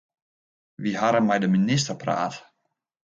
Wy hawwe mei de minister praat.